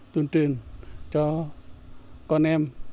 tuyên truyền cho con em